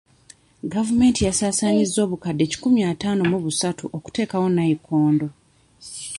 Gavumenti yasaasanyizza obukadde kikumi ataano mu busatu okuteekawo nnayikondo.